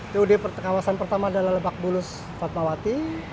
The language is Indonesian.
tod kawasan pertama adalah lebak bulus fatmawati